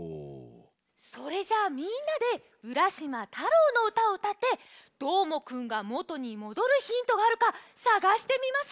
それじゃあみんなで「浦島太郎」のうたをうたってどーもくんがもとにもどるヒントがあるかさがしてみましょう！